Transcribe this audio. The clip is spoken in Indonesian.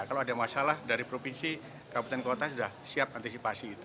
kalau ada masalah dari provinsi kabupaten kota sudah siap antisipasi itu